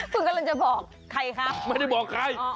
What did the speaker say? คุณกำลังจะบอกใครคะไม่ได้บอกใคร